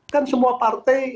kan semua partai